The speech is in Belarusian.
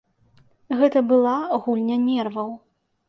Гэта была гульня нерваў.